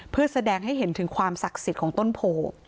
เพื่อแสดงให้เห็นถึงความศักดิ์สิทธิ์ของต้นโพ